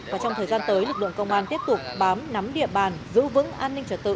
và trong thời gian tới lực lượng công an tiếp tục bám nắm địa bàn giữ vững an ninh trật tự